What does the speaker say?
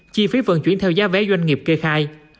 chi phí vận chuyển theo giá vé doanh nghiệp kê khai